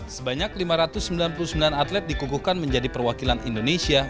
sebanyak lima ratus sembilan puluh sembilan atlet dikukuhkan menjadi perwakilan indonesia